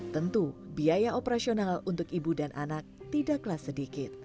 tentu biaya operasional untuk ibu dan anak tidak klasik